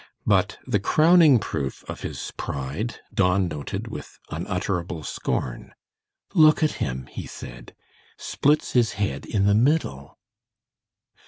But the crowning proof of his "pride," Don noted with unutterable scorn. "Look at him," he said, "splits his head in the middle."